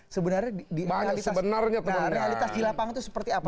sebenarnya realitas di lapangan itu seperti apa